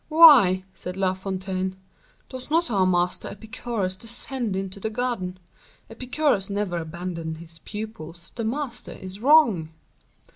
"Why," said La Fontaine, "does not our master Epicurus descend into the garden? Epicurus never abandoned his pupils; the master is wrong."